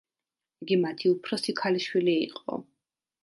იგი მათი უფროსი ქალიშვილი იყო.